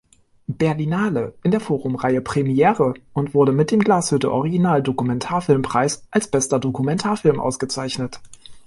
Berlinale in der Forum-Reihe Premiere und wurde mit dem Glashütte-Original-Dokumentarfilmpreis als bester Dokumentarfilm ausgezeichnet.